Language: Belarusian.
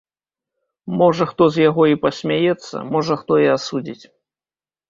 Можа хто з яго і пасмяецца, можа хто і асудзіць.